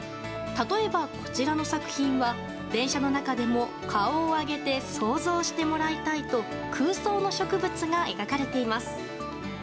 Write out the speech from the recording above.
例えば、こちらの作品は電車の中でも顔を上げて想像してもらいたいと空想の植物が描かれています。